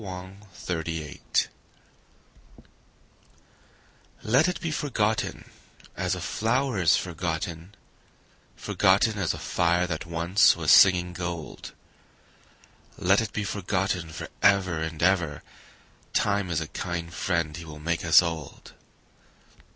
Let It Be Forgotten Let it be forgotten, as a flower is forgotten, Forgotten as a fire that once was singing gold, Let it be forgotten for ever and ever, Time is a kind friend, he will make us old.